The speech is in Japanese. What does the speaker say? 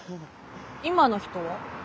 今の人は？え？